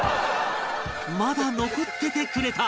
まだ残っててくれた！